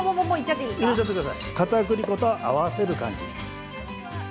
片栗粉と合わせる感じ。